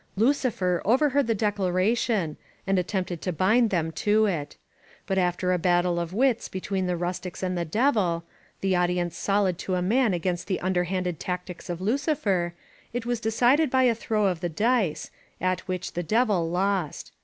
Lucifer overheard the declaration and attempted to bind them to it. But after a battle of wits between the rustics and the Devil — the audience solid to a man against the imderhanded tactics of Lucifer — ^it was decided by a LOS PASTORES throw of the dice, at which the Devil lost.